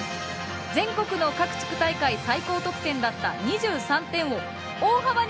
全国の各地区大会最高得点だった２３点を大幅に更新しました！